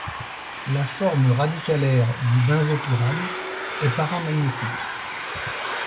La forme radicalaire du benzopyrane est paramagnétique.